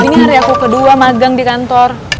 ini hari aku kedua magang di kantor